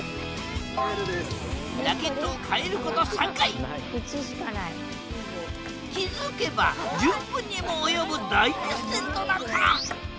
ラケットを替えること３回気付けば１０分にも及ぶ大熱戦となった！